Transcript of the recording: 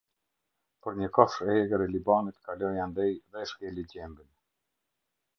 Por një kafshë e egër e Libanit kaloi andej dhe e shkeli gjembin.